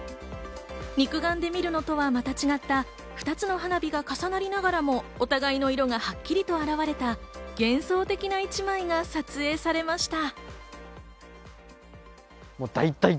肉眼で見るのとはまた違った、２つの花火が重なりながらも、お互いの色がはっきりと現れた幻想的な一枚が撮影されました。